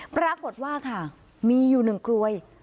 ปรากฏว่าค่ะมีอยู่๑กรวย